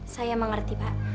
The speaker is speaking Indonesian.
saya mengerti pak